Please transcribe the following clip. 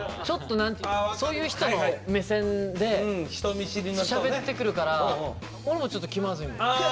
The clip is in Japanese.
そういう人の目線でしゃべってくるから俺もちょっと気まずいもん。